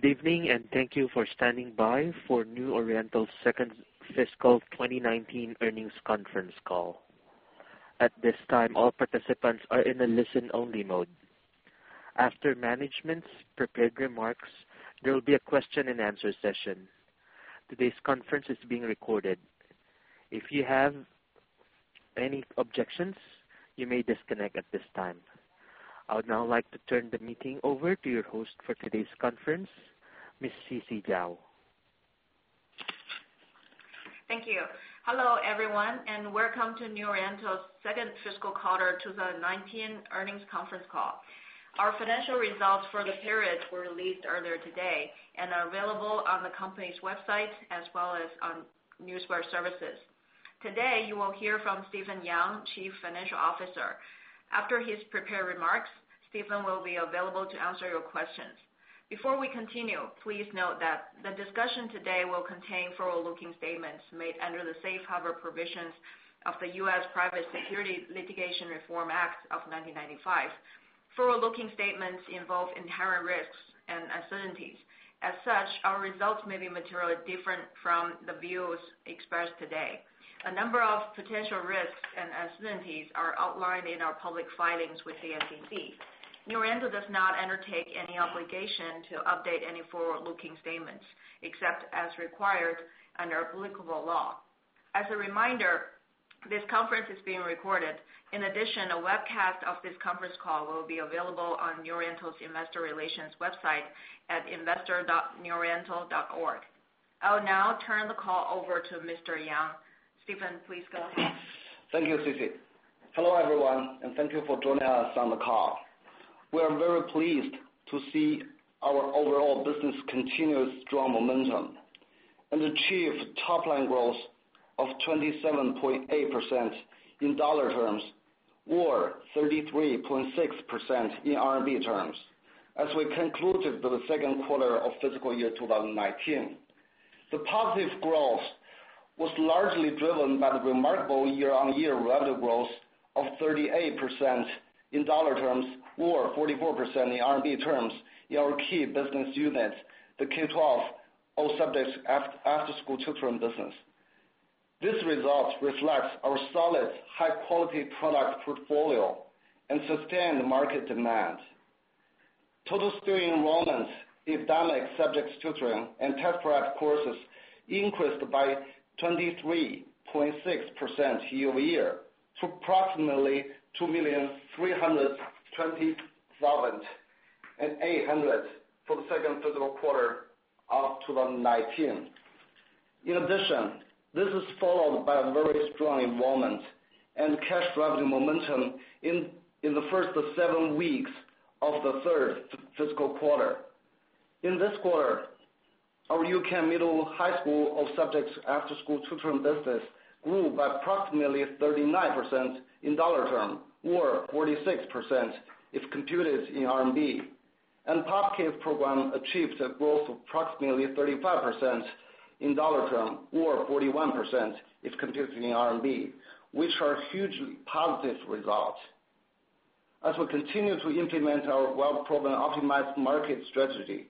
Good evening, thank you for standing by for New Oriental's second fiscal 2019 earnings conference call. At this time, all participants are in a listen-only mode. After management's prepared remarks, there will be a question and answer session. Today's conference is being recorded. If you have any objections, you may disconnect at this time. I would now like to turn the meeting over to your host for today's conference, Ms. Sisi Zhao. Thank you. Hello, everyone, welcome to New Oriental's second fiscal quarter 2019 earnings conference call. Our financial results for the period were released earlier today and are available on the company's website as well as on Newswire services. Today, you will hear from Stephen Yang, Chief Financial Officer. After his prepared remarks, Stephen will be available to answer your questions. Before we continue, please note that the discussion today will contain forward-looking statements made under the Safe Harbor Provisions of the U.S. Private Securities Litigation Reform Act of 1995. Forward-looking statements involve inherent risks and uncertainties. As such, our results may be materially different from the views expressed today. A number of potential risks and uncertainties are outlined in our public filings with the SEC. New Oriental does not undertake any obligation to update any forward-looking statements, except as required under applicable law. As a reminder, this conference is being recorded. In addition, a webcast of this conference call will be available on New Oriental's investor relations website at investor.neworiental.org. I will now turn the call over to Mr. Yang. Stephen, please go ahead. Thank you, Sisi. Hello, everyone, thank you for joining us on the call. We are very pleased to see our overall business continue its strong momentum and achieve top-line growth of 27.8% in dollar terms or 33.6% in RMB terms, as we concluded the second quarter of fiscal year 2019. The positive growth was largely driven by the remarkable year-on-year revenue growth of 38% in dollar terms or 44% in RMB terms in our key business unit, the K12 all subjects after-school tutoring business. This result reflects our solid high-quality product portfolio and sustained market demand. Total student enrollment all subjects tutoring and test prep courses increased by 23.6% year-over-year to approximately 2,327,800 for the second fiscal quarter of 2019. In addition, this is followed by very strong enrollment and cash revenue momentum in the first 7 weeks of the third fiscal quarter. In this quarter, our U-Can middle and high school subjects after-school tutoring business grew by approximately 39% in USD terms or 46% if computed in CNY. POP Kids program achieved a growth of approximately 35% in USD terms or 41% if computed in CNY, which are huge positive results. As we continue to implement our well-proven optimized market strategy,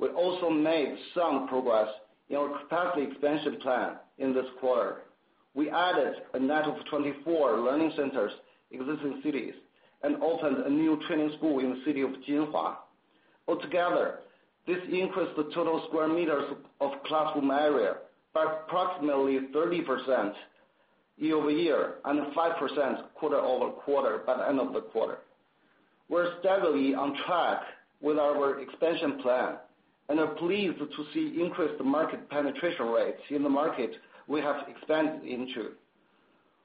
we also made some progress in our capacity expansion plan in this quarter. We added a net of 24 learning centers in existing cities and opened a new training school in the city of Jinhua. Altogether, this increased the total square meters of classroom area by approximately 30% year-over-year and 5% quarter-over-quarter by the end of the quarter. We are steadily on track with our expansion plan and are pleased to see increased market penetration rates in the market we have expanded into.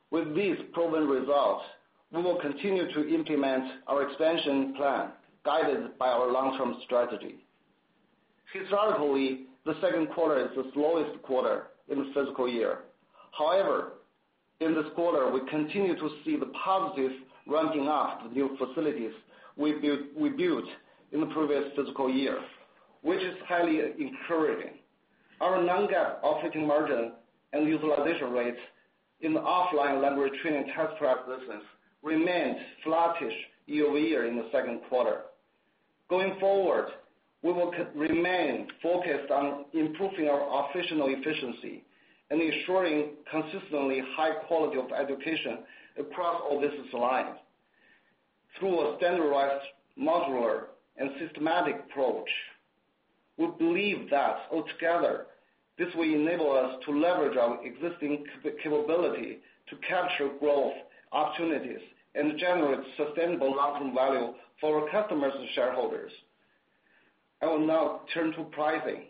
With these proven results, we will continue to implement our expansion plan guided by our long-term strategy. Historically, the second quarter is the slowest quarter in the fiscal year. However, in this quarter, we continue to see the positive ramping up of the new facilities we built in the previous fiscal year, which is highly encouraging. Our non-GAAP operating margin and utilization rates in the offline language training test prep business remained flattish year-over-year in the second quarter. Going forward, we will remain focused on improving our operational efficiency and ensuring consistently high quality of education across all business lines through a standardized, modular, and systematic approach. We believe that altogether, this will enable us to leverage our existing capability to capture growth opportunities and generate sustainable long-term value for our customers and shareholders. I will now turn to pricing.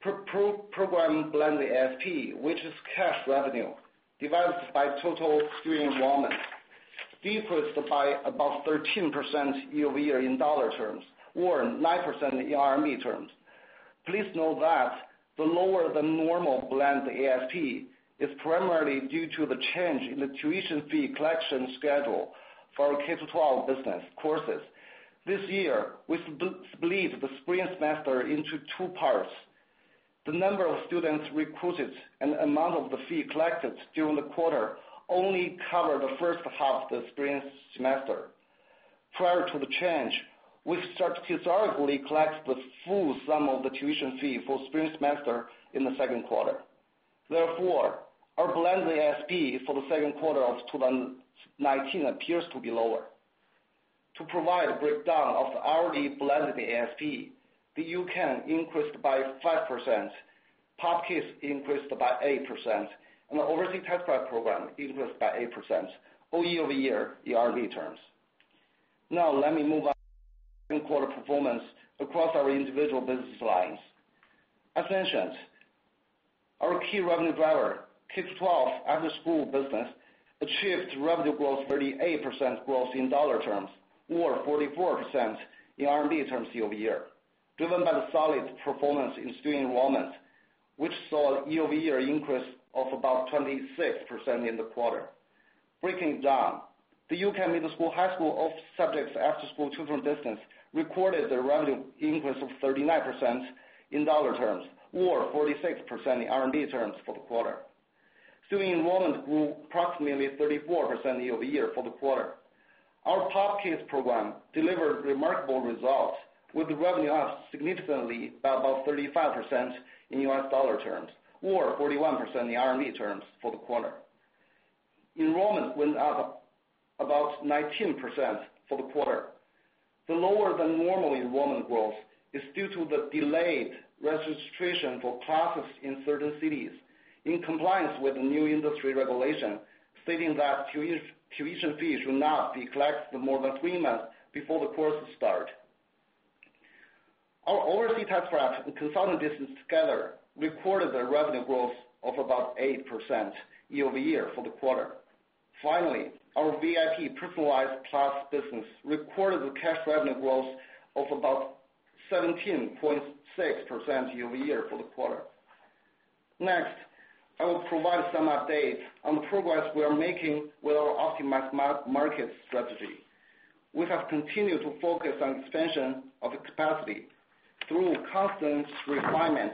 Program blend ASP, which is cash revenue divided by total student enrollment, decreased by about 13% year-over-year in USD terms or 9% in CNY terms. Please note that the lower than normal blend ASP is primarily due to the change in the tuition fee collection schedule for our K-12 business courses. This year, we split the spring semester into two parts. The number of students recruited and amount of the fee collected during the quarter only cover the first half of the spring semester. Prior to the change, we statistically collect the full sum of the tuition fee for spring semester in the second quarter. Therefore, our blended ASP for the second quarter of 2019 appears to be lower. To provide a breakdown of the RMB blended ASP, the U-Can increased by 5%, POP Kids increased by 8%, and the Overseas Test Prep program increased by 8% year-over-year in CNY terms. Now let me move on quarter performance across our individual business lines. As mentioned, our key revenue driver, K-12 after-school business, achieved revenue growth 38% growth in USD terms or 44% in CNY terms year-over-year, driven by the solid performance in student enrollment, which saw year-over-year increase of about 26% in the quarter. Breaking it down, the U-Can middle and high school subjects after-school tutoring business, recorded the revenue increase of 39% in USD terms or 46% in CNY terms for the quarter. Student enrollment grew approximately 34% year-over-year for the quarter. Our POP Kids program delivered remarkable results with revenue up significantly by about 35% in US dollar terms or 41% in CNY terms for the quarter. Enrollment went up about 19% for the quarter. The lower than normal enrollment growth is due to the delayed registration for classes in certain cities in compliance with the new industry regulation, stating that tuition fees should not be collected more than three months before the course start. Our Overseas Test Prep and consultant business together recorded a revenue growth of about 8% year-over-year for the quarter. Finally, our VIP personalized classes business recorded the cash revenue growth of about 17.6% year-over-year for the quarter. I will provide some updates on the progress we are making with our optimized market strategy. We have continued to focus on expansion of the capacity through constant refinement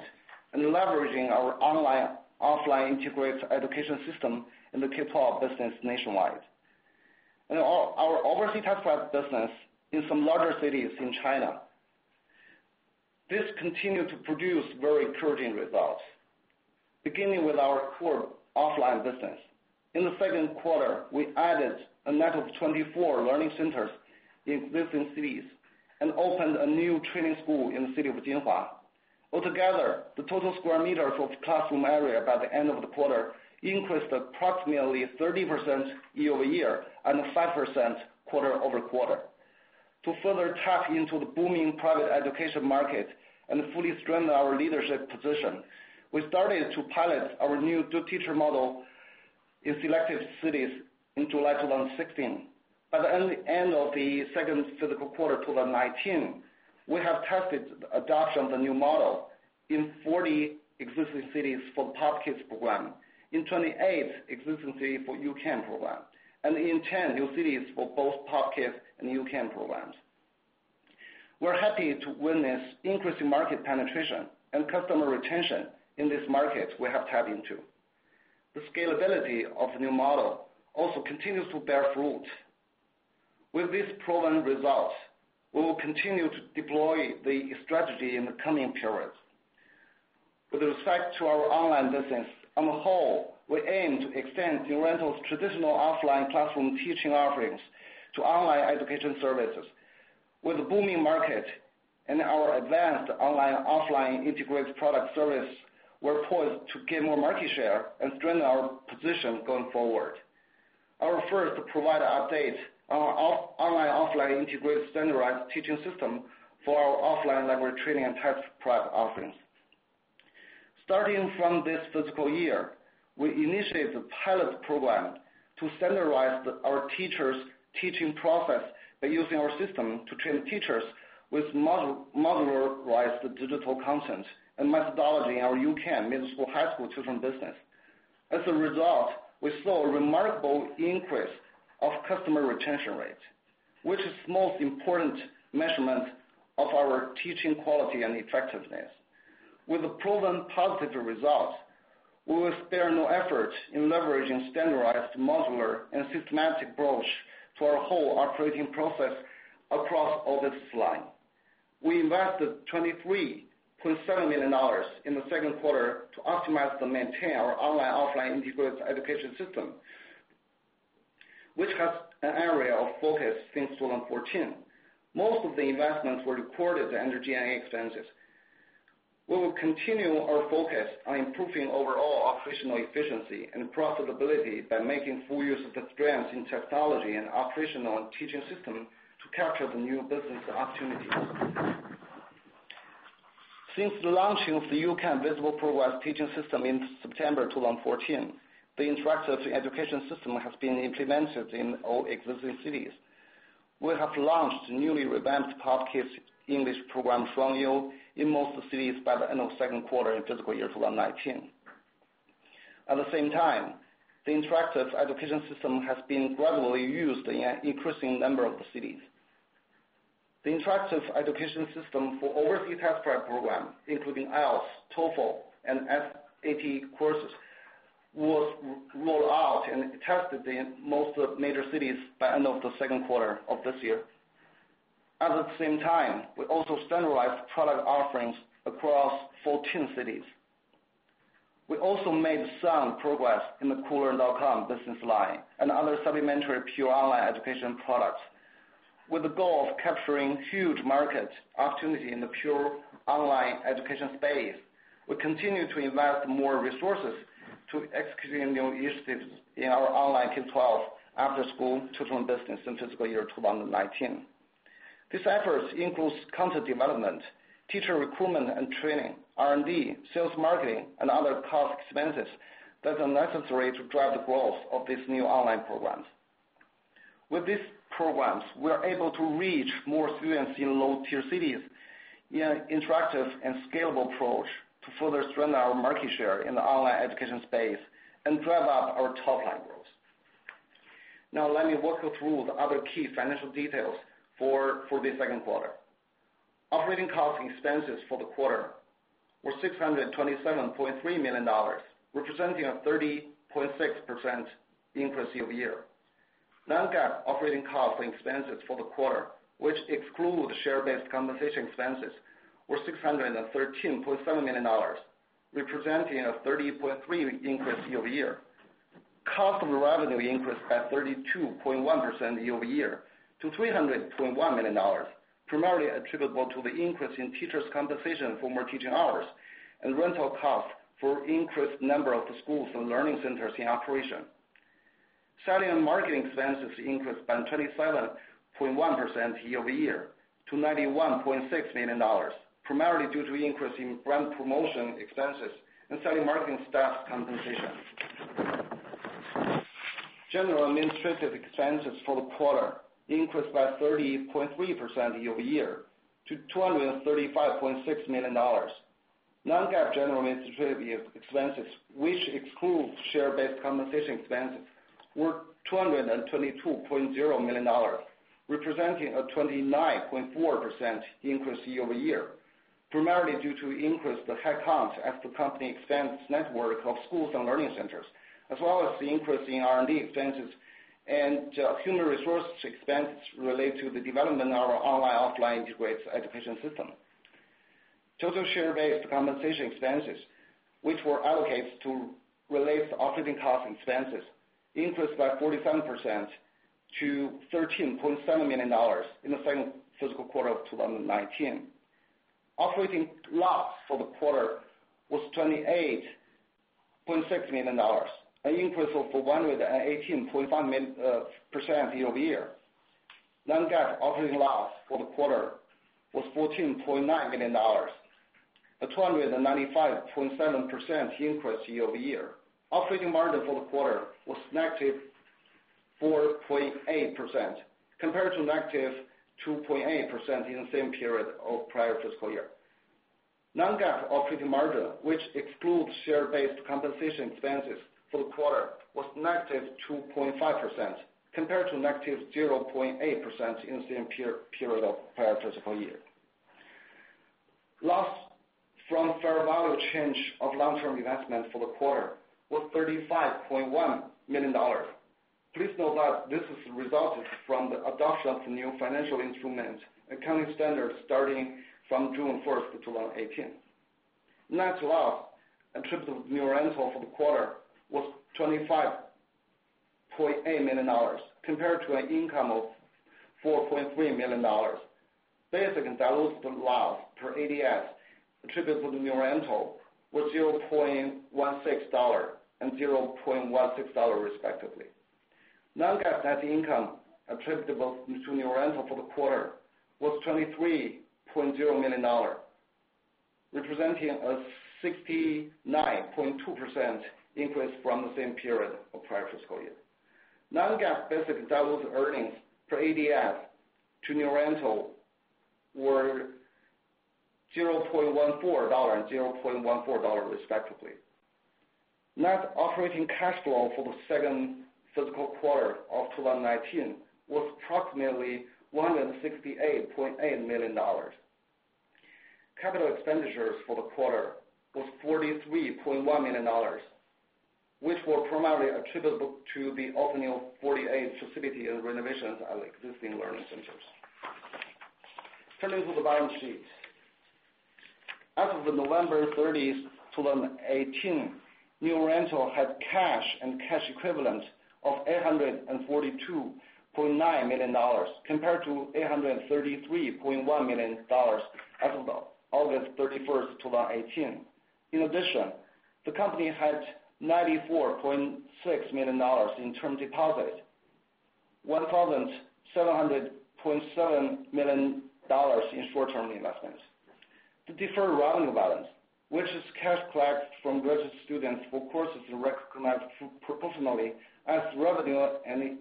and leveraging our online-offline integrated education system in the K-12 business nationwide. In our Overseas Test Prep business in some larger cities in China, this continued to produce very encouraging results. Beginning with our core offline business. In the second quarter, we added a net of 24 learning centers in existing cities and opened a new training school in the city of Jinhua. Altogether, the total sq m of classroom area by the end of the quarter increased approximately 30% year-over-year and 5% quarter-over-quarter. To further tap into the booming private education market and fully strengthen our leadership position, we started to pilot our new two-teacher model in selected cities in July 2016. By the end of the second fiscal quarter 2019, we have tested adoption of the new model in 40 existing cities for Top Kids program, in 28 existing cities for U-Can program, and in 10 new cities for both Top Kids and U-Can programs. We're happy to witness increasing market penetration and customer retention in this market we have tapped into. The scalability of the new model also continues to bear fruit. With these proven results, we will continue to deploy the strategy in the coming periods. With respect to our online business, on the whole, we aim to extend New Oriental's traditional offline classroom teaching offerings to online education services. With the booming market and our advanced online, offline integrated product service, we're poised to gain more market share and strengthen our position going forward. I will first provide an update on our online, offline integrated standardized teaching system for our offline language training and test prep offerings. Starting from this fiscal year, we initiated the pilot program to standardize our teachers' teaching process by using our system to train teachers with modularized digital content and methodology in our U-Can middle and high school tutoring business. As a result, we saw a remarkable increase of customer retention rate, which is most important measurement of our teaching quality and effectiveness. With the proven positive results, we will spare no effort in leveraging standardized, modular, and systematic approach to our whole operating process across all business line. We invested $23.7 million in the second quarter to optimize and maintain our online, offline integrated education system, which has an area of focus since 2014. Most of the investments were recorded under G&A expenses. We will continue our focus on improving overall operational efficiency and profitability by making full use of the strengths in technology and operational and teaching system to capture the new business opportunities. Since the launching of the U-Can visual progressed teaching system in September 2014, the interactive education system has been implemented in all existing cities. We have launched newly revamped Top Kids English program, Shuangyu, in most cities by the end of second quarter in fiscal year 2019. At the same time, the interactive education system has been gradually used in an increasing number of the cities. The interactive education system for Overseas Test Prep programs, including IELTS, TOEFL, and SAT courses, was rolled out and tested in most major cities by end of the second quarter of this year. At the same time, we also standardized product offerings across 14 cities. We also made some progress in the Koolearn.com business line and other supplementary pure online education products. With the goal of capturing huge market opportunity in the pure online education space, we continue to invest more resources to executing new initiatives in our online K-12 after-school tutoring business in fiscal year 2019. These efforts includes content development, teacher recruitment and training, R&D, sales, marketing, and other cost expenses that are necessary to drive the growth of these new online programs. With these programs, we are able to reach more students in low-tier cities in an interactive and scalable approach to further strengthen our market share in the online education space and drive up our top-line growth. Now let me walk you through the other key financial details for the second quarter. Operating cost expenses for the quarter were $627.3 million, representing a 30.6% increase year-over-year. non-GAAP operating costs and expenses for the quarter, which exclude share-based compensation expenses, were $613.7 million, representing a 30.3% increase year-over-year. Cost of revenue increased by 32.1% year-over-year to $321 million, primarily attributable to the increase in teachers' compensation for more teaching hours and rental costs for increased number of the schools and learning centers in operation. Selling and marketing expenses increased by 27.1% year-over-year to $91.6 million, primarily due to increase in brand promotion expenses and selling marketing staff compensation. General and Administrative expenses for the quarter increased by 30.3% year-over-year to $235.6 million. non-GAAP General and Administrative expenses, which excludes share-based compensation expenses, were $222.0 million, representing a 29.4% increase year-over-year, primarily due to increase the headcount as the company expands network of schools and learning centers, as well as the increase in R&D expenses and human resource expenses related to the development of our online/offline integrated education system. Total share-based compensation expenses, which were allocated to relate to operating cost and expenses, increased by 47% to $13.7 million in the second fiscal quarter of 2019. Operating loss for the quarter was $28.6 million, an increase of 118.5% year-over-year. non-GAAP operating loss for the quarter was $14.9 million, a 295.7% increase year-over-year. Operating margin for the quarter was negative 4.8%, compared to negative 2.8% in the same period of prior fiscal year. Non-GAAP operating margin, which excludes share-based compensation expenses for the quarter, was negative 2.5%, compared to negative 0.8% in the same period of prior fiscal year. Loss from fair value change of long-term investments for the quarter was $35.1 million. Please note that this resulted from the adoption of the new financial instrument accounting standards starting from June 1st, 2018. Net loss attributable to New Oriental for the quarter was $25.8 million, compared to an income of $4.3 million. Basic and diluted loss per ADS attributable to New Oriental was $0.16 and $0.16, respectively. Non-GAAP net income attributable to New Oriental for the quarter was $23.0 million, representing a 69.2% increase from the same period of prior fiscal year. Non-GAAP basic and diluted earnings per ADS to New Oriental were $0.14 and $0.14, respectively. Net operating cash flow for the second fiscal quarter of 2019 was approximately $168.8 million. Capital expenditures for the quarter were $43.1 million, which were primarily attributable to the opening of 48 facilities and renovations of existing learning centers. Turning to the balance sheet. As of November 30th, 2018, New Oriental had cash and cash equivalents of $842.9 million, compared to $833.1 million as of August 31st, 2018. In addition, the company had $94.6 million in term deposits, $1,700.7 million in short-term investments. The deferred revenue balance, which is cash collected from registered students for courses recognized proportionally as revenue and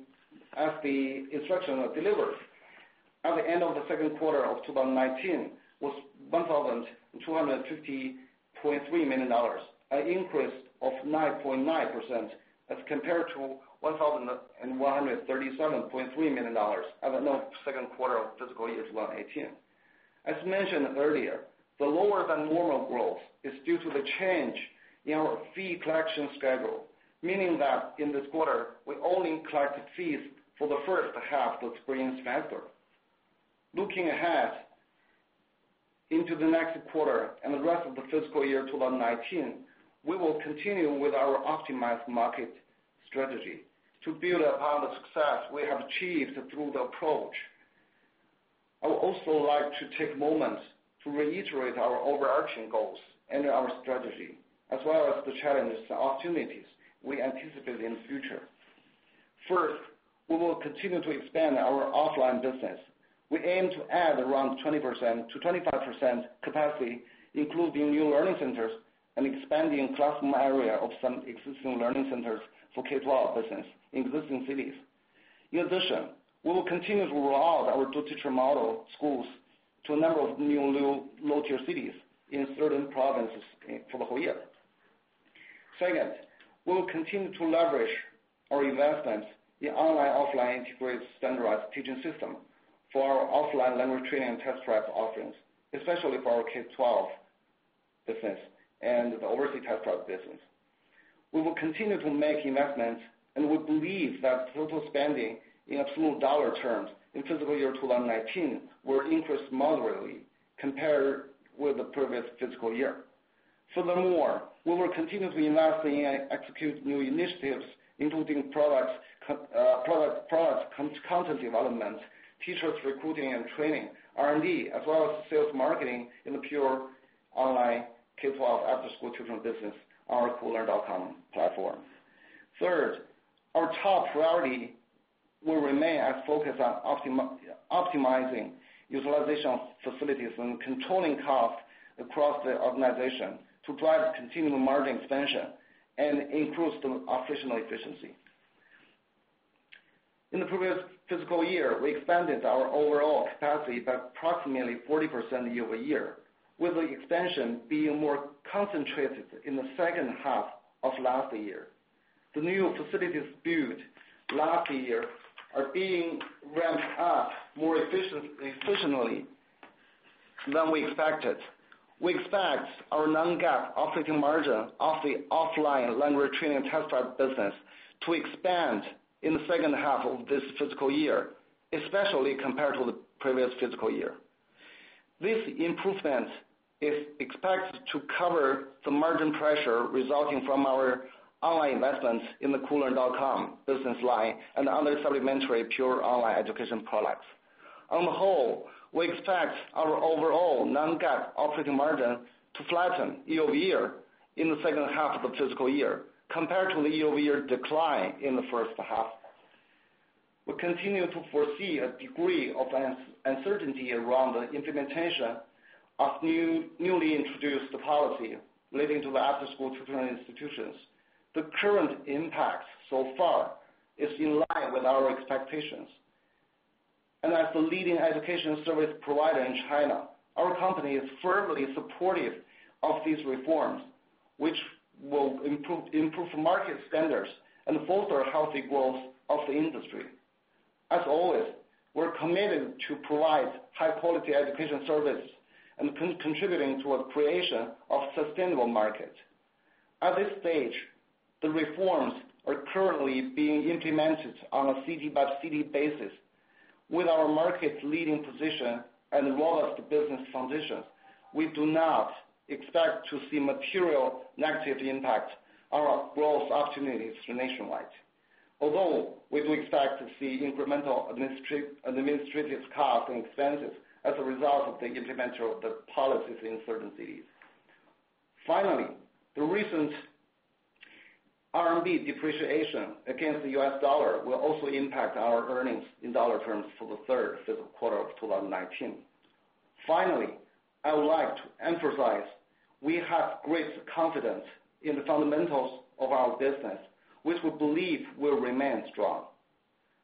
as the instruction is delivered, at the end of the second quarter of 2019 was $1,250 million, an increase of 9.9% as compared to $1,137.3 million as of second quarter of fiscal year 2018. As mentioned earlier, the lower than normal growth is due to the change in our fee collection schedule, meaning that in this quarter, we only collected fees for the first half of spring semester. Looking ahead into the next quarter and the rest of the fiscal year 2019, we will continue with our optimized market strategy to build upon the success we have achieved through the approach. I would also like to take a moment to reiterate our overarching goals and our strategy, as well as the challenges and opportunities we anticipate in the future. First, we will continue to expand our offline business. We aim to add around 20%-25% capacity, including new learning centers and expanding classroom area of some existing learning centers for K-12 business in existing cities. In addition, we will continue to roll out our two-teacher model schools to a number of new low-tier cities in certain provinces for the whole year. Second, we will continue to leverage our investments in online, offline integrated standardized teaching system for our offline language training and test prep offerings, especially for our K-12 business and the Overseas Test Prep business. We will continue to make investments, and we believe that total spending in absolute dollar terms in fiscal year 2019 will increase moderately compared with the previous fiscal year. Furthermore, we will continuously invest in and execute new initiatives, including products content development, teachers recruiting and training, R&D, as well as sales marketing in the pure online K-12 after-school tutoring business on our Koolearn.com platform. Third, our top priority will remain as focused on optimizing utilization of facilities and controlling costs across the organization to drive continued margin expansion and improve operational efficiency. In the previous fiscal year, we expanded our overall capacity by approximately 40% year-over-year, with the expansion being more concentrated in the second half of last year. The new facilities built last year are being ramped up more efficiently than we expected. We expect our non-GAAP operating margin of the offline language training and test prep business to expand in the second half of this fiscal year, especially compared to the previous fiscal year. This improvement is expected to cover the margin pressure resulting from our online investments in the Koolearn.com business line and other supplementary pure online education products. On the whole, we expect our overall non-GAAP operating margin to flatten year-over-year in the second half of the fiscal year compared to the year-over-year decline in the first half. We continue to foresee a degree of uncertainty around the implementation of newly introduced policy relating to the after-school tutoring institutions. The current impact so far is in line with our expectations. As the leading education service provider in China, our company is firmly supportive of these reforms, which will improve market standards and foster healthy growth of the industry. As always, we're committed to provide high-quality education service and contributing toward creation of sustainable market. At this stage, the reforms are currently being implemented on a city-by-city basis. With our market-leading position and robust business foundation, we do not expect to see material negative impact on our growth opportunities nationwide. Although, we do expect to see incremental administrative costs and expenses as a result of the implementation of the policies in certain cities. Finally, the recent RMB depreciation against the US dollar will also impact our earnings in dollar terms for the third fiscal quarter of 2019. Finally, I would like to emphasize, we have great confidence in the fundamentals of our business, which we believe will remain strong.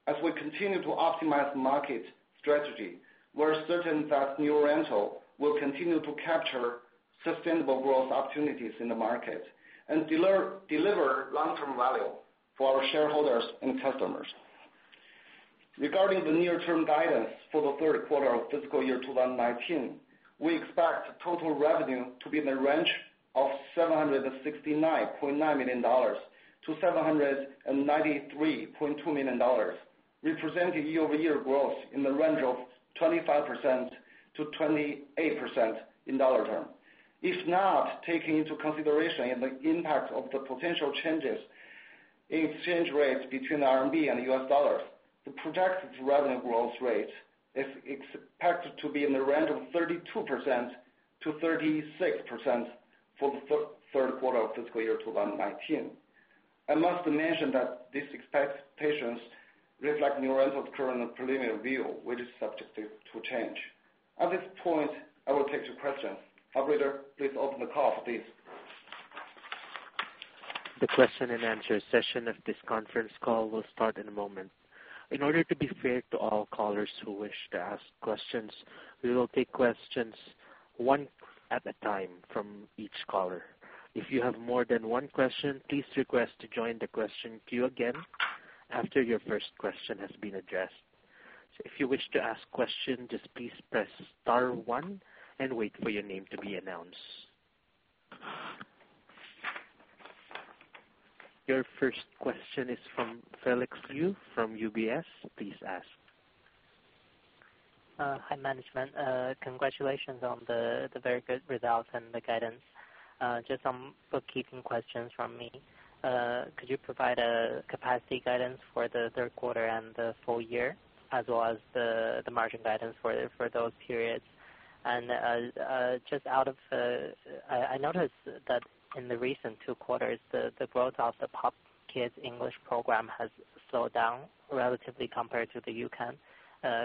As we continue to optimize market strategy, we're certain that New Oriental will continue to capture sustainable growth opportunities in the market and deliver long-term value for our shareholders and customers. Regarding the near-term guidance for the third quarter of fiscal year 2019, we expect total revenue to be in the range of $769.9 million-$793.2 million, representing year-over-year growth in the range of 25%-28% in dollar term. If not taking into consideration the impact of the potential changes in exchange rates between RMB and US dollars, the projected revenue growth rate is expected to be in the range of 32%-36% for the third quarter of fiscal year 2019. I must mention that these expectations reflect New Oriental's current preliminary view, which is subjective to change. At this point, I will take the questions. Operator, please open the call for this. The question and answer session of this conference call will start in a moment. In order to be fair to all callers who wish to ask questions, we will take questions one at a time from each caller. If you have more than one question, please request to join the question queue again after your first question has been addressed. If you wish to ask question, just please press star one and wait for your name to be announced. Your first question is from Felix Liu from UBS. Please ask. Hi, management. Congratulations on the very good results and the guidance. Just some bookkeeping questions from me. Could you provide a capacity guidance for the third quarter and the full year as well as the margin guidance for those periods? I noticed that in the recent two quarters, the growth of the POP Kids English program has slowed down relatively compared to the U-Can.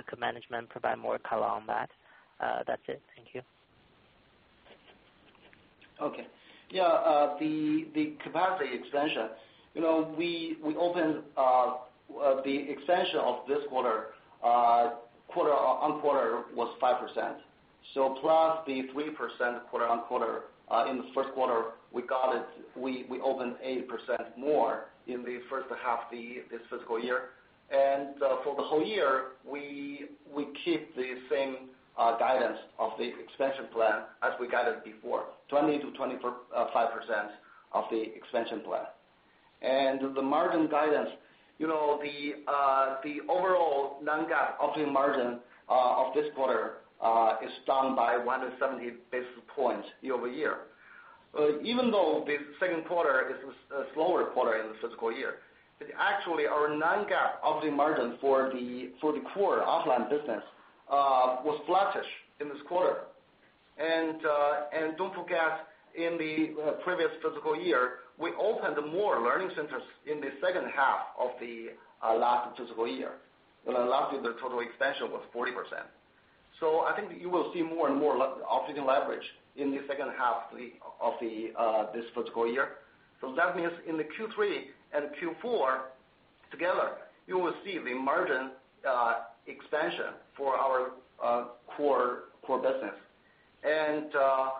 Could management provide more color on that? That's it. Thank you. Okay. Yeah, the capacity expansion. The expansion of this quarter-over-quarter was 5%. Plus the 3% quarter-over-quarter in the first quarter, we opened 8% more in the first half of this fiscal year. For the whole year, we keep the same guidance of the expansion plan as we guided before, 20%-25% of the expansion plan. The margin guidance, the overall non-GAAP operating margin of this quarter is down by 170 basis points year-over-year. Even though the second quarter is a slower quarter in the fiscal year, actually, our non-GAAP operating margin for the core offline business was flattish in this quarter. Don't forget, in the previous fiscal year, we opened more learning centers in the second half of the last fiscal year. Lastly, the total expansion was 40%. I think you will see more and more operating leverage in the second half of this fiscal year. That means in the Q3 and Q4 together, you will see the margin expansion for our core business. I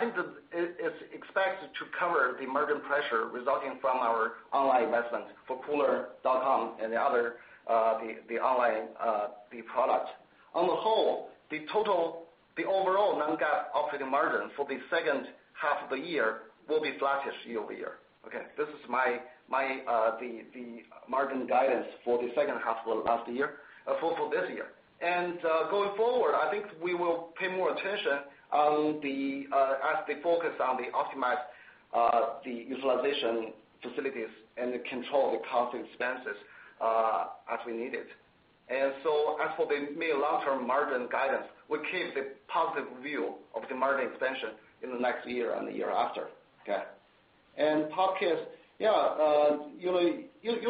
think it is expected to cover the margin pressure resulting from our online investment for Koolearn.com and the other online product. On the whole, the overall non-GAAP operating margin for the second half of the year will be flattish year-over-year. Okay? This is the margin guidance for the second half of this year. Going forward, I think we will pay more attention as the focus on the optimize the utilization facilities and control the cost expenses as we needed. As for the mid and long-term margin guidance, we keep the positive view of the margin expansion in the next year and the year after. Okay? POP Kids,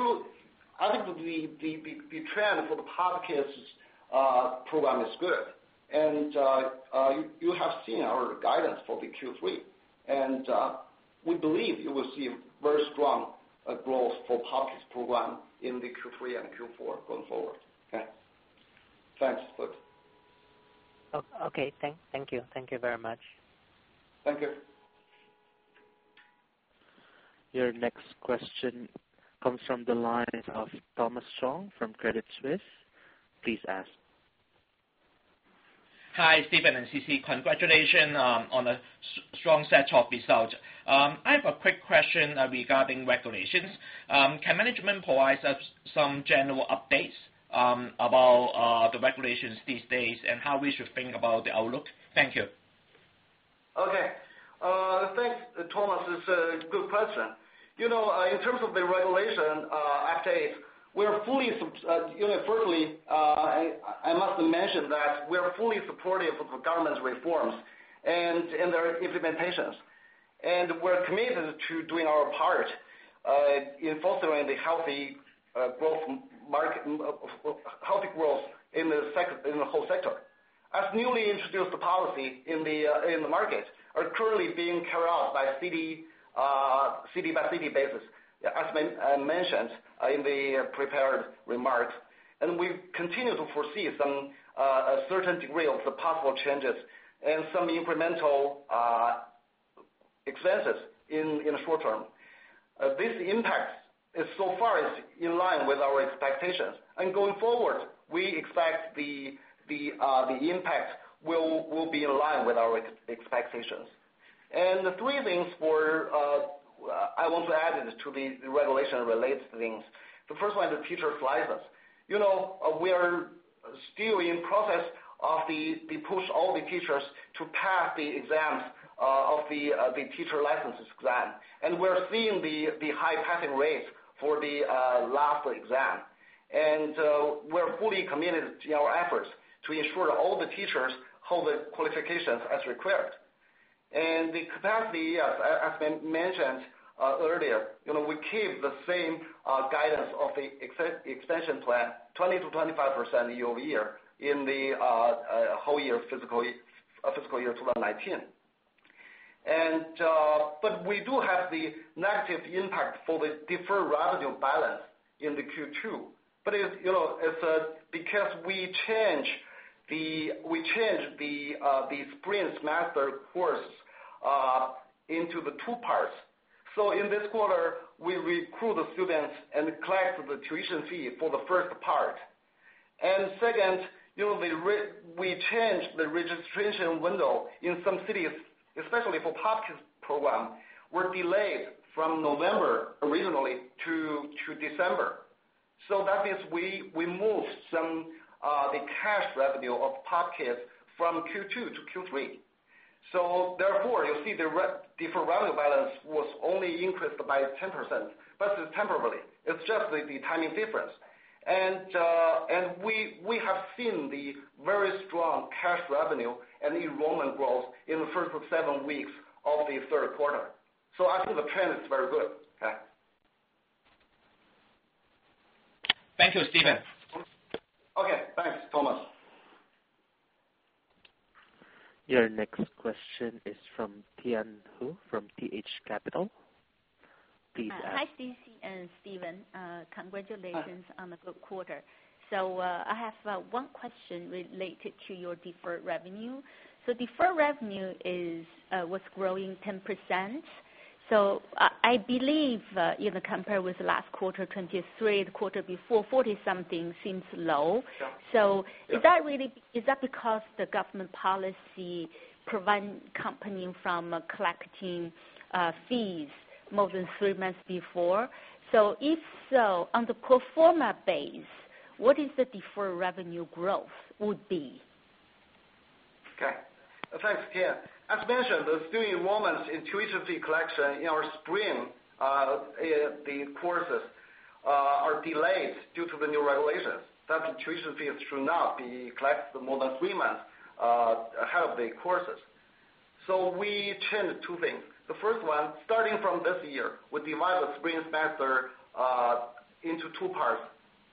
I think the trend for the POP Kids program is good, you have seen our guidance for the Q3, we believe you will see very strong growth for POP Kids program in the Q3 and Q4 going forward. Okay? Thanks, Felix. Okay. Thank you. Thank you very much. Thank you. Your next question comes from the line of Thomas Song from Credit Suisse. Please ask. Hi, Stephen Yang and Sisi Zhao. Congratulations on a strong set of results. I have a quick question regarding regulations. Can management provide us some general updates about the regulations these days and how we should think about the outlook? Thank you. Okay. Thanks, Thomas Song. It's a good question. In terms of the regulation, firstly, I must mention that we are fully supportive of the government's reforms and their implementations. We're committed to doing our part in fostering the healthy growth in the whole sector. As newly introduced policy in the market are currently being carried out by city basis, as mentioned in the prepared remarks. We continue to foresee some certain degree of the possible changes and some incremental expenses in the short term. This impact so far is in line with our expectations. Going forward, we expect the impact will be in line with our expectations. The three things I want to add to the regulation-related things. The first one, the teacher's license. We are still in process of the push all the teachers to pass the exams of the teacher licenses exam. We're seeing the high passing rates for the last exam. We're fully committed to our efforts to ensure all the teachers hold the qualifications as required. The capacity, as mentioned earlier, we keep the same guidance of the expansion plan 20%-25% year-over-year in the whole fiscal year 2019. We do have the negative impact for the deferred revenue balance in the Q2. It's because we changed the spring semester course into the two parts. In this quarter, we recruit the students and collect the tuition fee for the first part. Second, we changed the registration window in some cities, especially for POP Kids program, were delayed from November originally to December. That means we moved some of the cash revenue of POP Kids from Q2 to Q3. Therefore, you'll see the deferred revenue balance was only increased by 10%. It's temporarily, it's just the timing difference. We have seen the very strong cash revenue and enrollment growth in the first seven weeks of the third quarter. I think the trend is very good. Okay. Thank you, Stephen. Okay. Thanks, Thomas. Your next question is from Tian Hou from TH Capital. Please ask. Hi, Sisi and Stephen. Congratulations on a good quarter. I have one question related to your deferred revenue. Deferred revenue was growing 10%. I believe, compared with last quarter, 23%, the quarter before 40 something% seems low. Yeah. Is that because the government policy prevent company from collecting fees more than three months before? If so, on the pro forma base, what is the deferred revenue growth would be? Okay. Thanks, Tian. As mentioned, the student enrollments and tuition fee collection in our spring, the courses are delayed due to the new regulations, that tuition fees should not be collected more than three months ahead of the courses. We changed two things. The first one, starting from this year, we divide the spring semester into two parts.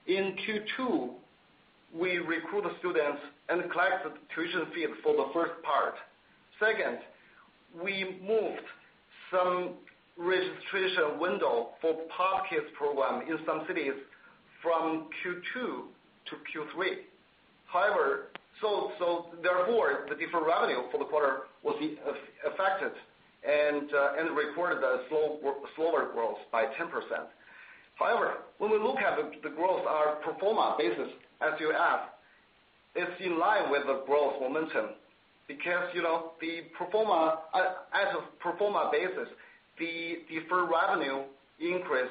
In Q2, we recruit the students and collect the tuition fees for the first part. Second, we moved some registration window for POP Kids program in some cities from Q2 to Q3. Therefore, the deferred revenue for the quarter was affected and reported a slower growth by 10%. However, when we look at the growth on a pro forma basis, as you ask, it's in line with the growth momentum because as a pro forma basis, the deferred revenue increase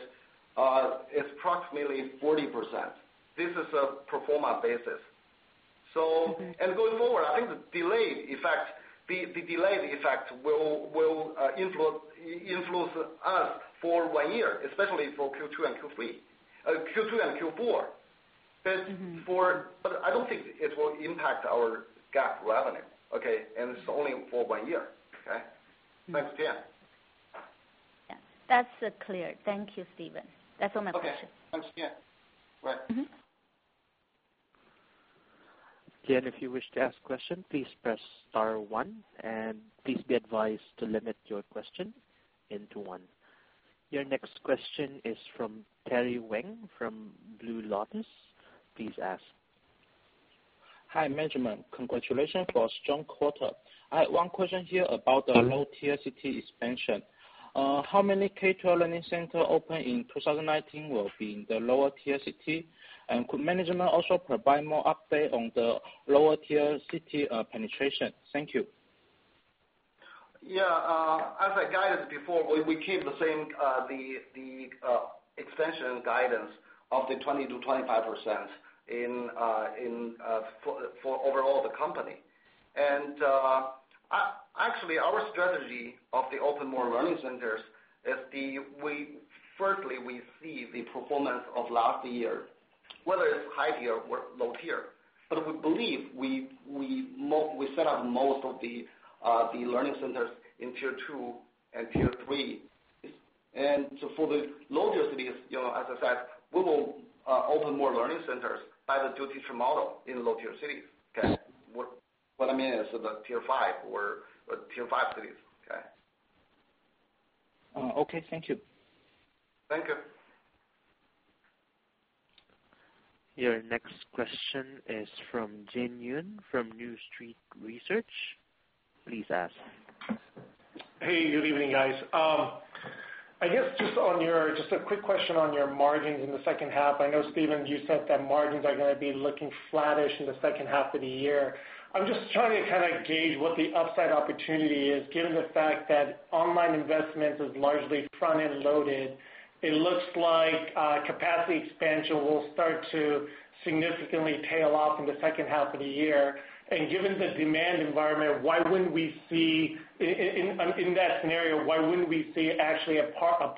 is approximately 40%. This is a pro forma basis. Going forward, I think the delayed effect will influence us for one year, especially for Q2 and Q4. I don't think it will impact our GAAP revenue, okay? It's only for one year. Okay? Thanks, Tian. Yeah, that's clear. Thank you, Stephen. That's all my questions. Okay. Thanks, Tian. Bye. Tian, if you wish to ask question, please press star one. Please be advised to limit your question into one. Your next question is from Terry Wang from Blue Lotus. Please ask. Hi, management. Congratulations for strong quarter. I have one question here about the low tier city expansion. How many K12 learning center open in 2019 will be in the lower tier city? Could management also provide more update on the lower tier city penetration? Thank you. Yeah. As I guided before, we keep the same extension guidance of the 20%-25% for overall the company. Actually, our strategy of the open more learning centers is firstly, we see the performance of last year, whether it's high tier or low tier. We believe we set up most of the learning centers in tier 2 and tier 3s. For the low tier cities, as I said, we will open more learning centers by the two-teacher model in low tier cities. Okay. What I mean is the tier 5 cities. Okay. Okay. Thank you. Thank you. Your next question is from Jin Yoon from New Street Research. Please ask. Hey, good evening, guys. I guess just a quick question on your margins in the second half. I know, Stephen, you said that margins are going to be looking flattish in the second half of the year. I'm just trying to gauge what the upside opportunity is, given the fact that online investments is largely front-end loaded. It looks like capacity expansion will start to significantly tail off in the second half of the year. Given the demand environment, in that scenario, why wouldn't we see actually a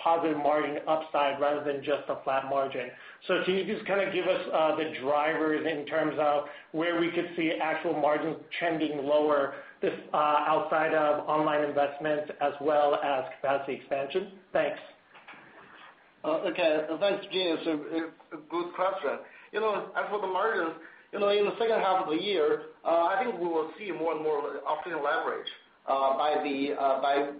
positive margin upside rather than just a flat margin? Can you just give us the drivers in terms of where we could see actual margins trending lower, just outside of online investment as well as capacity expansion? Thanks. Okay. Thanks, Jin. It's a good question. As for the margins, in the second half of the year, I think we will see more and more offline leverage by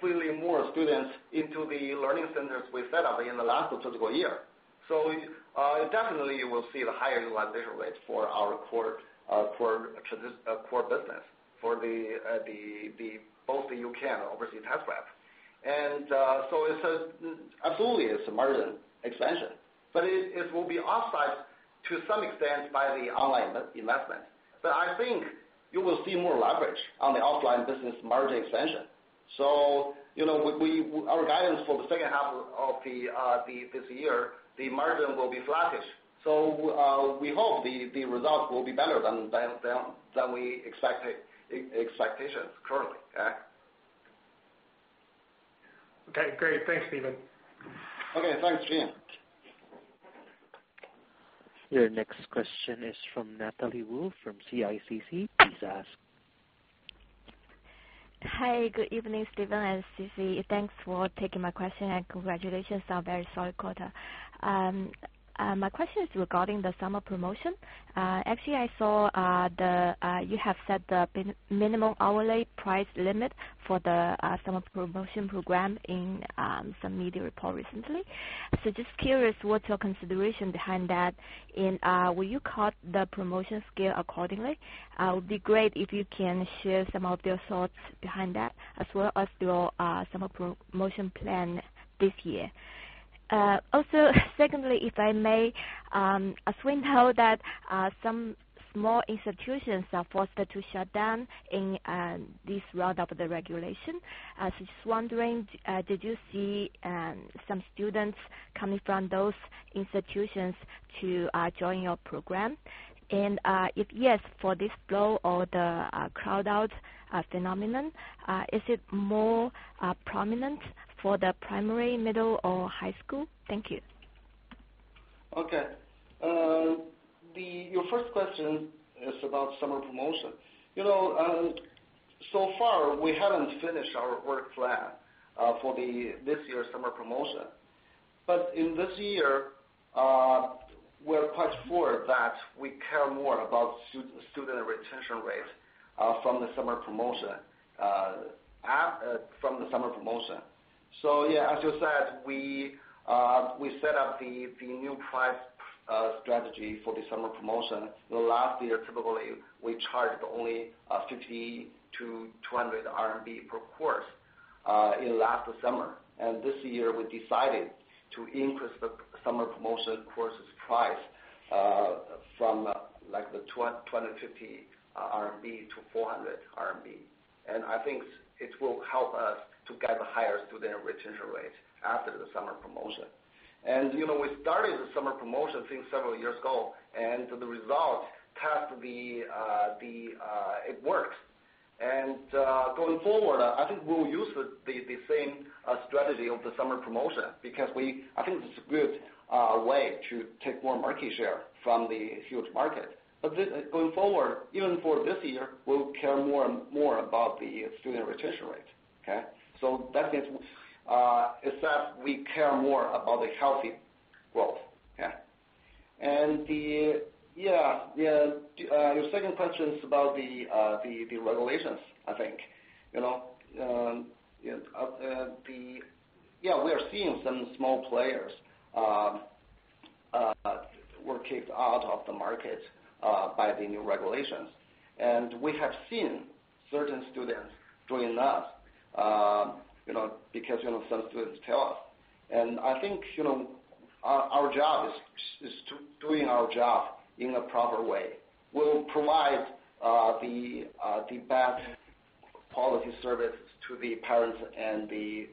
bringing more students into the learning centers we set up in the last fiscal year. Definitely, we'll see the higher utilization rates for our core business, for both the U-Can and Overseas Test Prep. Absolutely it's a margin expansion, but it will be offset to some extent by the online investment. I think you will see more leverage on the offline business margin expansion. Our guidance for the second half of this year, the margin will be flattish. We hope the results will be better than we expect it, expectations currently. Okay, great. Thanks, Stephen. Okay, thanks, Jin. Your next question is from Natalie Wu from CICC. Please ask. Hi, good evening, Stephen and Sisi. Thanks for taking my question. Congratulations on a very solid quarter. My question is regarding the Summer Promotion. Actually, I saw you have set the minimum hourly price limit for the Summer Promotion program in some media report recently. Just curious, what's your consideration behind that, and will you cut the promotion scale accordingly? It would be great if you can share some of your thoughts behind that, as well as your Summer Promotion plan this year. Secondly, if I may, as we know that some small institutions are forced to shut down in this round of the regulation. I was just wondering, did you see some students coming from those institutions to join your program? If yes, for this goal or the crowd-out phenomenon, is it more prominent for the primary, middle, or high school? Thank you. Okay. Your first question is about Summer Promotion. Far, we haven't finished our work plan for this year's Summer Promotion. In this year, we're quite sure that we care more about student retention rate from the Summer Promotion. Yeah, as you said, we set up the new price strategy for the Summer Promotion. Last year, typically, we charged only 50-200 RMB per course in last summer. This year, we decided to increase the Summer Promotion courses price from 250-400 RMB. I think it will help us to get a higher student retention rate after the Summer Promotion. We started the Summer Promotion thing several years ago, and the result has been it works. Going forward, I think we'll use the same strategy of the Summer Promotion because I think it's a good way to take more market share from the huge market. Going forward, even for this year, we'll care more and more about the student retention rate, okay? That means, it's that we care more about the healthy growth. Yeah. Your second question is about the regulations, I think. We are seeing some small players were kicked out of the market by the new regulations. We have seen certain students join us, because some students tell us. I think our job is doing our job in a proper way. We'll provide the best quality service to the parents and the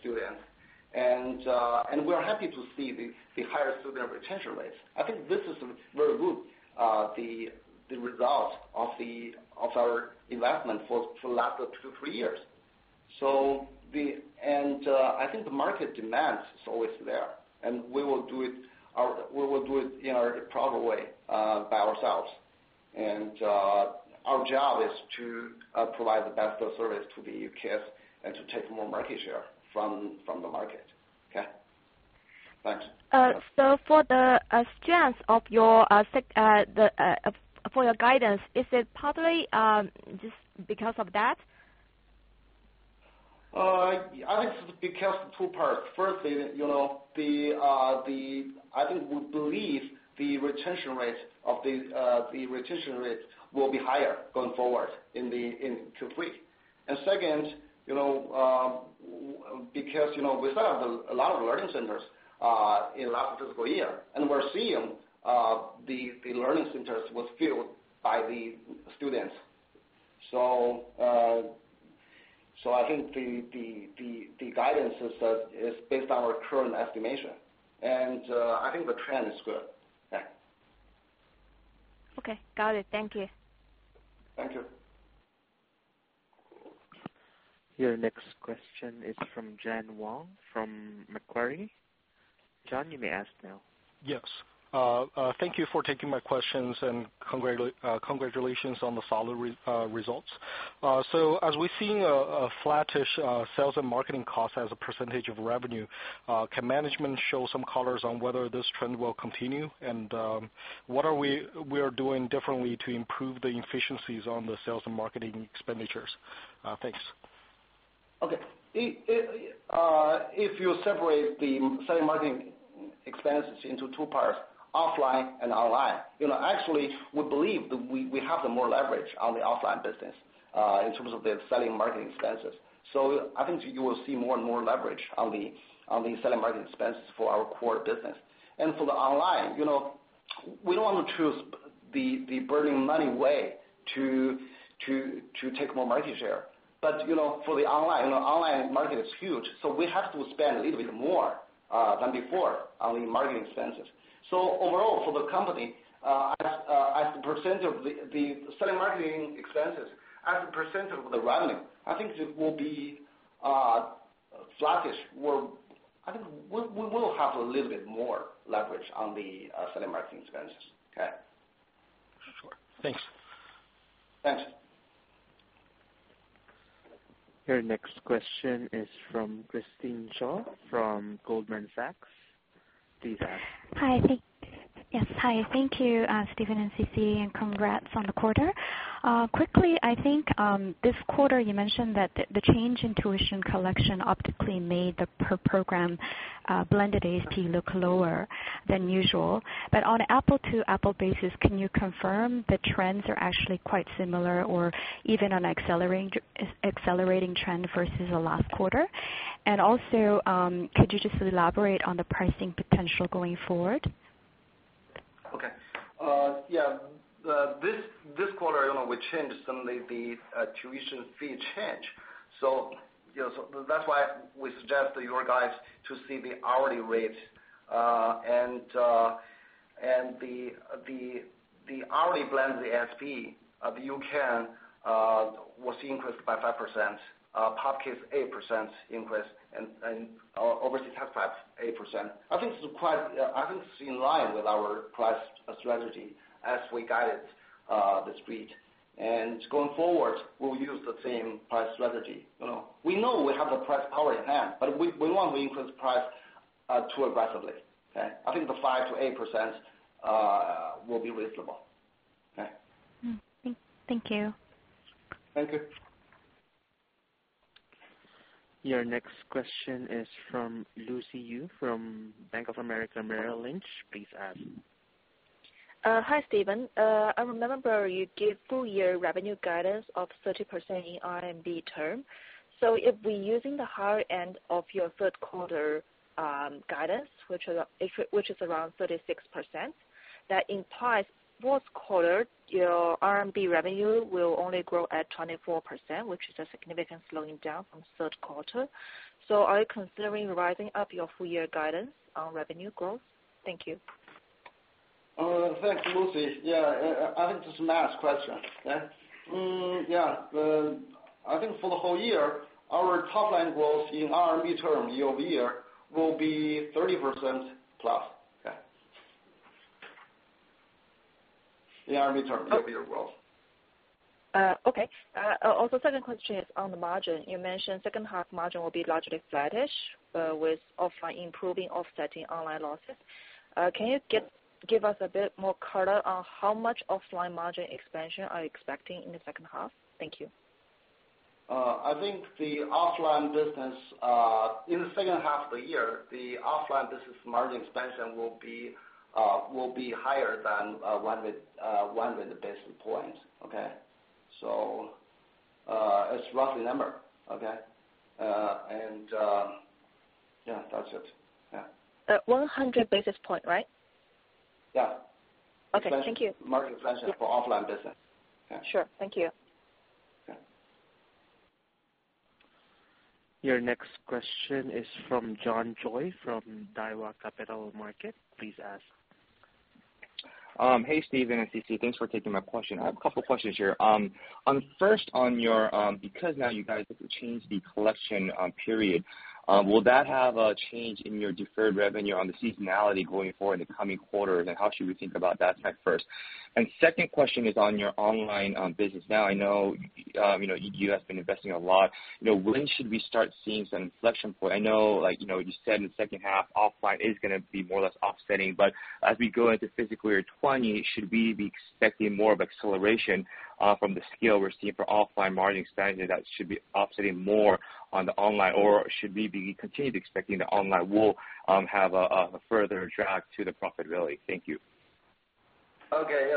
students. We're happy to see the higher student retention rates. I think this is very good, the result of our investment for the last two, three years. I think the market demand is always there, and we will do it in a proper way, by ourselves. Our job is to provide the best of service to the U-Can and to take more market share from the market. Okay. Thanks. For the strength of your guidance, is it partly just because of that? I think it's because of two parts. Firstly, I think we believe the retention rate will be higher going forward in Q3. Second, because we set up a lot of learning centers in last fiscal year, and we're seeing the learning centers was filled by the students. I think the guidance is based on our current estimation. I think the trend is good. Yeah. Okay. Got it. Thank you. Thank you. Your next question is from John Wang from Macquarie. John, you may ask now. Yes. Thank you for taking my questions, and congratulations on the solid results. As we've seen a flattish sales and marketing cost as a percentage of revenue, can management show some colors on whether this trend will continue? What are we doing differently to improve the efficiencies on the sales and marketing expenditures? Thanks. Okay. If you separate the selling marketing expenses into two parts, offline and online, actually, we believe that we have the more leverage on the offline business, in terms of the selling marketing expenses. I think you will see more and more leverage on the selling marketing expenses for our core business. For the online, we don't want to choose the burning money way to take more market share. For the online market is huge, so we have to spend a little bit more than before on the marketing expenses. Overall for the company, as a percentage of the selling marketing expenses, as a percentage of the revenue, I think it will be flattish. I think we will have a little bit more leverage on the selling marketing expenses. Okay? Sure. Thanks. Thanks. Your next question is from Christine Shu from Goldman Sachs. Please ask. Hi. Thank you, Stephen and Sisi, and congrats on the quarter. Quickly, I think, this quarter you mentioned that the change in tuition collection optically made the per program blended ASP look lower than usual. On an apple-to-apple basis, can you confirm the trends are actually quite similar or even on accelerating trend versus the last quarter? Could you just elaborate on the pricing potential going forward? This quarter, we changed suddenly the tuition fee change. That's why we suggest to you guys to see the hourly rates. The hourly blended ASP of UCan was increased by 5%, PopKids 8% increase, and Overseas Test Prep 8%. I think it's in line with our price strategy as we guided the street. Going forward, we'll use the same price strategy. We know we have the price power in hand, but we won't increase the price too aggressively. I think the 5%-8% will be reasonable. Thank you. Thank you. Your next question is from Lucy Yu from Bank of America Merrill Lynch. Please ask. Hi, Stephen. I remember you gave full year revenue guidance of 30% in RMB term. If we're using the higher end of your third quarter guidance, which is around 36%, that implies fourth quarter, your RMB revenue will only grow at 24%, which is a significant slowing down from third quarter. Are you considering rising up your full year guidance on revenue growth? Thank you. Thanks, Lucy. Yeah. I think this is math question. Yeah. I think for the whole year, our top line growth in RMB term year-over-year will be 30% plus. Okay? In RMB term, year-over-year growth. Okay. Second question is on the margin. You mentioned second half margin will be largely flattish, with offline improving offsetting online losses. Can you give us a bit more color on how much offline margin expansion are you expecting in the second half? Thank you. I think the offline business, in the second half of the year, the offline business margin expansion will be higher than 100 basis points. Okay? It's roughly number. Okay? Yeah, that's it. Yeah. 100 basis point, right? Yeah. Okay, thank you. Margin expansion for offline business. Yeah. Sure. Thank you. Yeah. Your next question is from John Choi from Daiwa Capital Markets. Please ask. Hey, Stephen and Sisi, thanks for taking my question. I have a couple questions here. First on your, because now you guys have to change the collection period, will that have a change in your deferred revenue on the seasonality going forward in the coming quarters, and how should we think about that type 1? Second question is on your online business. Now I know EDU has been investing a lot. When should we start seeing some inflection point? I know, you said in the second half, offline is gonna be more or less offsetting, but as we go into fiscal year 2020, should we be expecting more of acceleration from the scale we're seeing for offline margin expansion that should be offsetting more on the online or should we be continued expecting the online will have a further drag to the profitability? Thank you. Okay.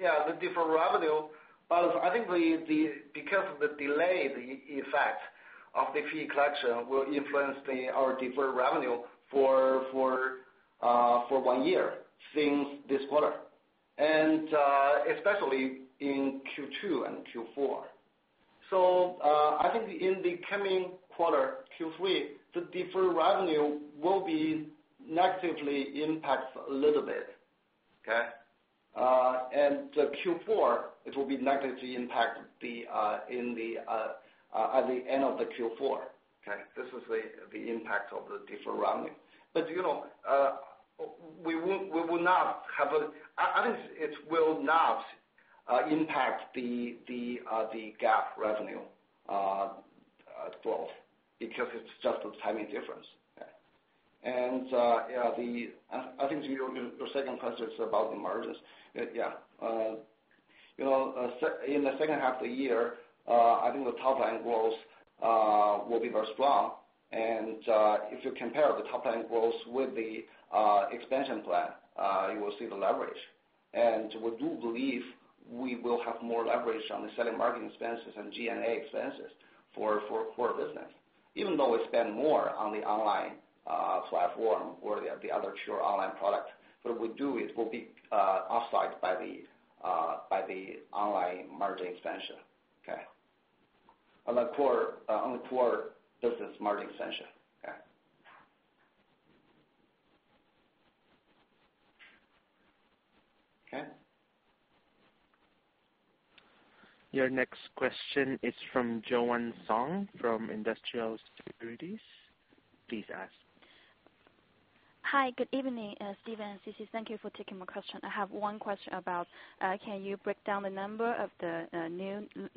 Yeah. The deferred revenue, I think because of the delay, the effect of the fee collection will influence our deferred revenue for one year since this quarter. Especially in Q2 and Q4. I think in the coming quarter, Q3, the deferred revenue will be negatively impact a little bit. Okay. The Q4, it will be negatively impact at the end of the Q4. Okay? This is the impact of the deferred revenue. It will not impact the GAAP revenue at all, because it's just a timing difference. Okay. I think your second question is about the margins. Yeah. In the second half of the year, I think the top line growth will be very strong and if you compare the top line growth with the expansion plan, you will see the leverage. We do believe we will have more leverage on the selling marketing expenses and G&A expenses for core business. Even though we spend more on the online platform or the other pure online product, what we'll do is will be offset by the online margin expansion. Okay. On the core business margin expansion. Okay? Okay. Your next question is from Joan Song from Industrial Securities. Please ask. Hi, good evening, Stephen and Sisi. Thank you for taking my question. I have one question. Can you break down the number of the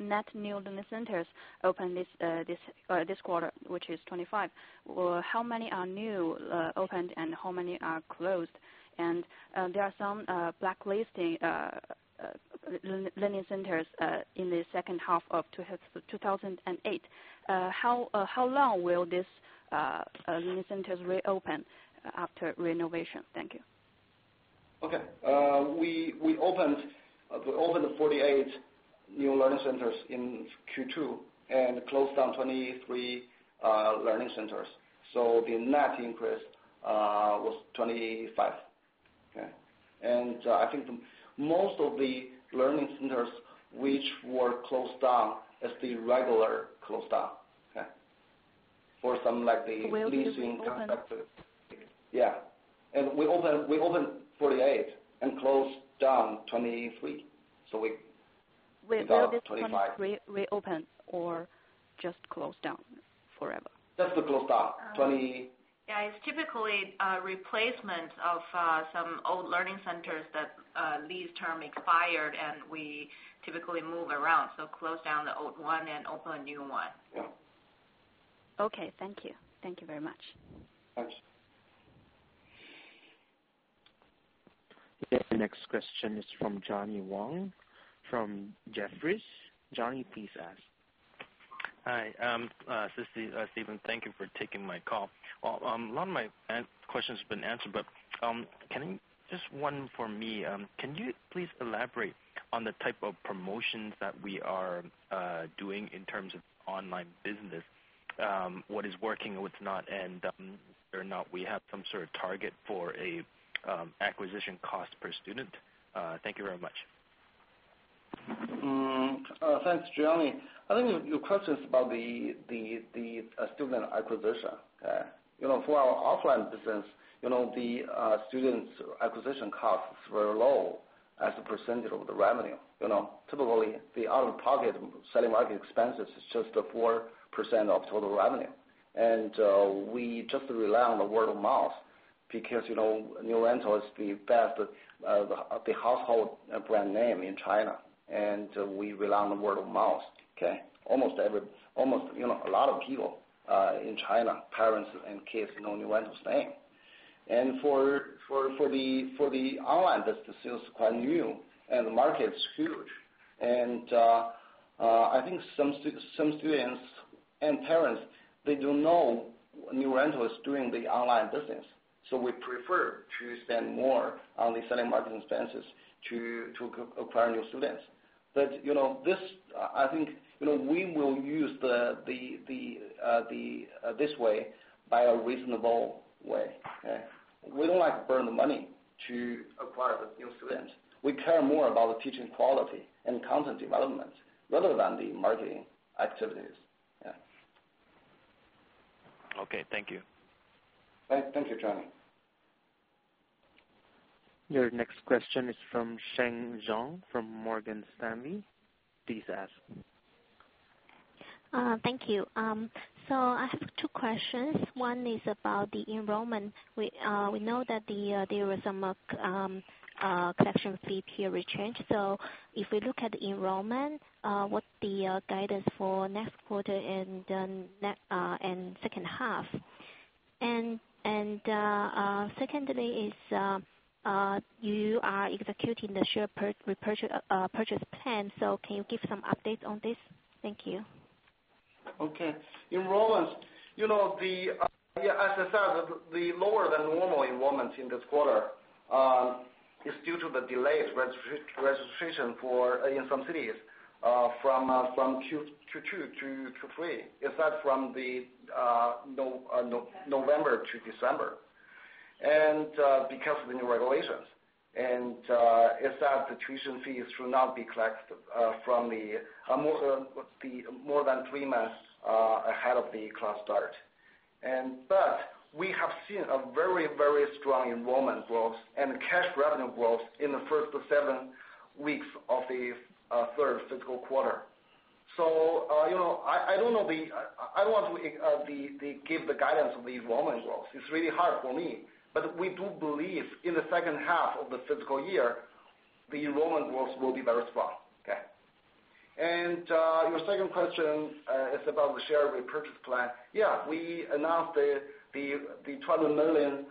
net new learning centers opened this quarter, which is 25? How many are new opened and how many are closed? There are some blacklisting learning centers in the second half of 2018. How long will these learning centers reopen after renovation? Thank you. We opened 48 new learning centers in Q2 and closed down 23 learning centers. The net increase was 25. I think most of the learning centers which were closed down is the regular closed down. Will it open? We opened 48 and closed down 23. We developed 25. Will these 23 reopen or just closed down forever? Just closed down 20 Yeah, it's typically replacement of some old learning centers that lease term expired. We typically move around. Close down the old one and open a new one. Yeah. Okay. Thank you. Thank you very much. Thanks. The next question is from John Wang from Jefferies. John, please ask. Hi, Stephen, thank you for taking my call. Well, a lot of my question's been answered, but just one for me. Can you please elaborate on the type of promotions that we are doing in terms of online business, what is working and what's not, and whether or not we have some sort of target for acquisition cost per student? Thank you very much. Thanks, John. I think your question is about the student acquisition. Okay. For our offline business, the students acquisition costs were low as a percentage of the revenue. Typically, the out-of-pocket selling market expenses is just 4% of total revenue. We just rely on word of mouth because New Oriental is the best of the household brand name in China, and we rely on word of mouth. Okay. A lot of people in China, parents and kids, know New Oriental's name. For the online business, it's quite new and the market is huge. I think some students and parents, they don't know New Oriental is doing the online business. We prefer to spend more on the selling marketing expenses to acquire new students. I think we will use this way by a reasonable way. Okay? We don't like to burn the money to acquire the new students. We care more about the teaching quality and content development rather than the marketing activities. Yeah. Okay, thank you. Thank you, Johnny. Your next question is from Sheng Zhong from Morgan Stanley. Please ask. Thank you. I have two questions. One is about the enrollment. We know that there was some collection fee tier change. If we look at enrollment, what the guidance for next quarter and second half? Secondly is, you are executing the share repurchase plan, so can you give some updates on this? Thank you. Okay. Enrollments. As I said, the lower than normal enrollments in this quarter is due to the delayed registration in some cities from Q2 to Q3, is that from the November to December, because of the new regulations. It's that the tuition fees should not be collected more than three months ahead of the class start. But we have seen a very, very strong enrollment growth and cash revenue growth in the first seven weeks of the third fiscal quarter. I don't want to give the guidance of the enrollment growth. It's really hard for me. We do believe in the second half of the fiscal year, the enrollment growth will be very strong. Okay. Your second question is about the share repurchase plan. Yeah, we announced the $12 million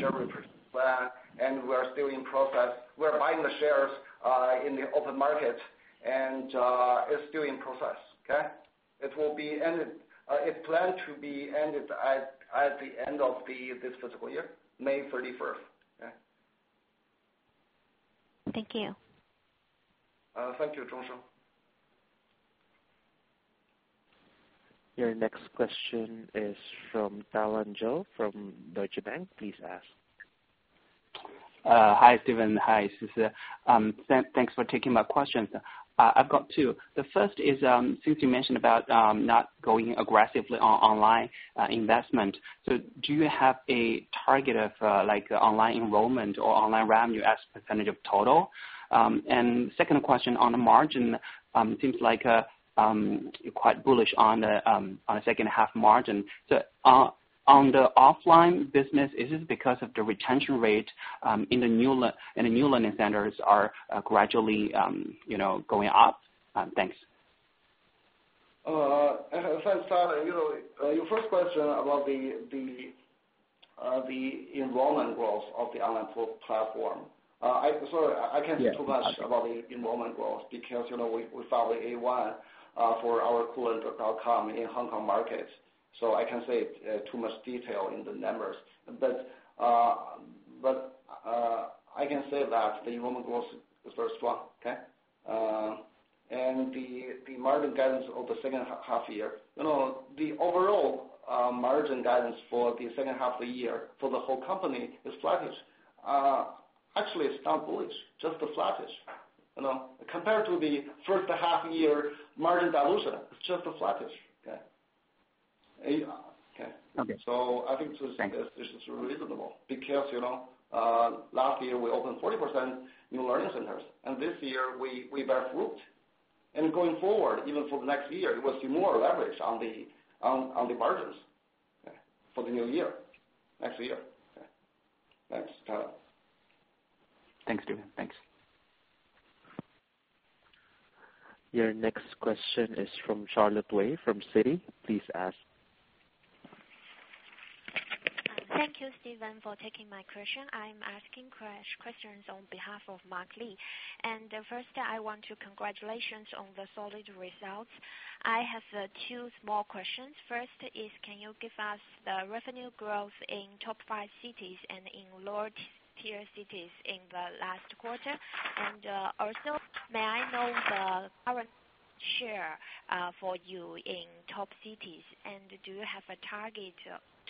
share repurchase plan, and we are still in process. We are buying the shares in the open market, and it's still in process. Okay? It planned to be ended at the end of this fiscal year, May 31st. Okay. Thank you. Thank you, Sheng Zhong. Your next question is from Tallan Zhou from Deutsche Bank. Please ask. Hi, Stephen. Hi, Cissy. Thanks for taking my questions. I've got two. The first is, since you mentioned about not going aggressively on online investment, do you have a target of online enrollment or online revenue as a % of total? Second question on the margin, it seems like you're quite bullish on the second half margin. On the offline business, is it because of the retention rate in the new learning centers are gradually going up? Thanks. Thanks, Tallan. Your first question about the enrollment growth of the online platform. Sorry, I can't say too much- Yeah. -about the enrollment growth because we filed the A1 for our Koolearn.com in Hong Kong market, I can't say too much detail in the numbers. I can say that the enrollment growth is very strong. Okay? The margin guidance over the second half year. The overall margin guidance for the second half of the year for the whole company is flattish. Actually, it's not bullish, just flattish. Compared to the first half year margin dilution, it's just flattish. Okay? Okay. I think this is reasonable because last year, we opened 40% new learning centers, and this year we barefoot. Going forward, even for the next year, we will see more leverage on the margins for the new year. Next year. Thanks, Tallan. Thanks, Stephen. Thanks. Your next question is from Charlotte Wei from Citi. Please ask. Thank you, Stephen, for taking my question. I'm asking questions on behalf of Mark Lee. First, I want to congratulations on the solid results. I have two small questions. First is, can you give us the revenue growth in top 5 cities and in lower tier cities in the last quarter? Also, may I know the current share for you in top cities, and do you have a target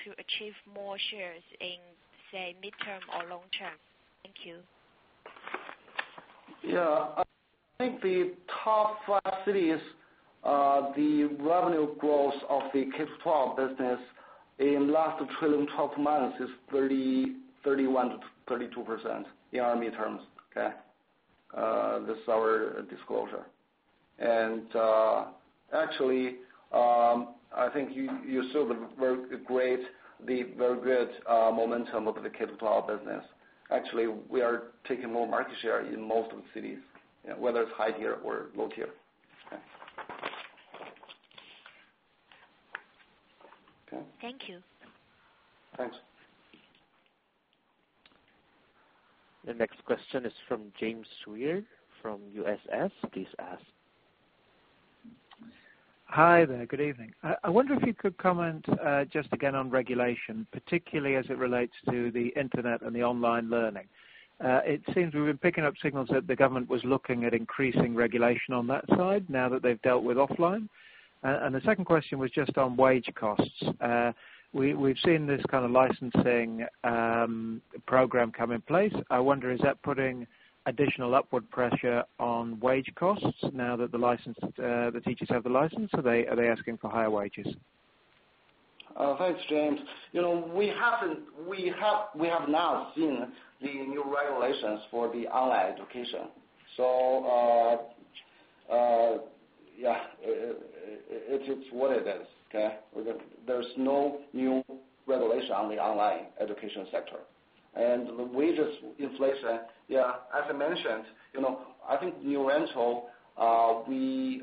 to achieve more shares in, say, midterm or long term? Thank you. Yeah. I think the top five cities, the revenue growth of the K-12 business in last trailing 12 months is 31%-32% year-on-year terms. Okay. This is our disclosure. Actually, I think you saw the very good momentum of the K-12 business. Actually, we are taking more market share in most of the cities, whether it's high tier or low tier. Okay. Thank you. Thanks. The next question is from James Suir from UBS. Please ask. Hi there. Good evening. I wonder if you could comment just again on regulation, particularly as it relates to the internet and the online learning. It seems we've been picking up signals that the government was looking at increasing regulation on that side now that they've dealt with offline. The second question was just on wage costs. We've seen this kind of licensing program come in place. I wonder, is that putting additional upward pressure on wage costs now that the teachers have the license? Are they asking for higher wages? Thanks, James. We have now seen the new regulations for the online education. Yeah. It is what it is. Okay. There is no new regulation on the online education sector. The wages inflation, yeah, as I mentioned, I think New Oriental, we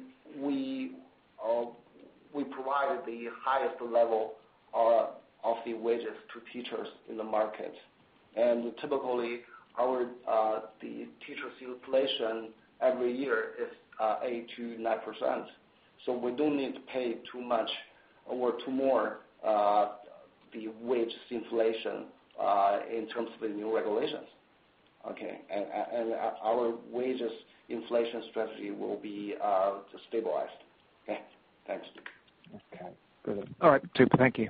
provided the highest level of the wages to teachers in the market. Typically, the teachers' inflation every year is 8% to 9%. We don't need to pay too much or too more the wages inflation in terms of the new regulations. Okay. Our wages inflation strategy will be stabilized. Okay. Thanks. Okay. Good. All right, Stephen, thank you.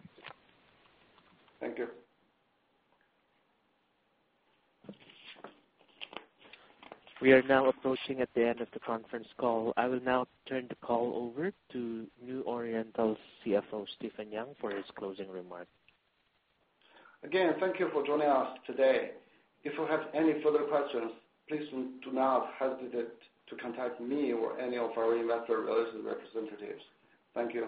Thank you. We are now approaching at the end of the conference call. I will now turn the call over to New Oriental CFO, Stephen Yang, for his closing remarks. Again, thank you for joining us today. If you have any further questions, please do not hesitate to contact me or any of our investor relations representatives. Thank you.